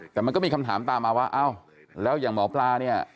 แต่มันก็มีคำถามตามมาว่าอ้าวแล้วอย่างหมอปลาเนี่ย